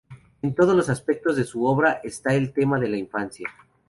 En todos los aspectos de su obra está el tema de la infancia.